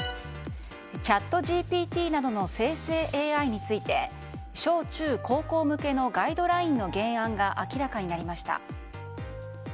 チャットＧＰＴなどの生成ＡＩについて小中高校向けのガイドラインの原案が明らかになりました。